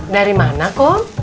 dari mana kom